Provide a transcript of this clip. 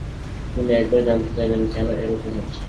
তিনি একবার জানতে চাইলেন কেন এ-রকম হচ্ছে।